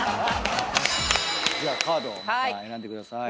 じゃあカードを選んでください。